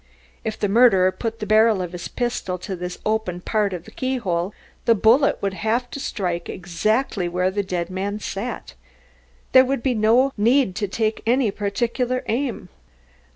If the murderer put the barrel of his pistol to this open part of the keyhole, the bullet would have to strike exactly where the dead man sat. There would be no need to take any particular aim."